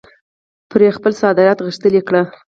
پرې خپل صادرات غښتلي کړي.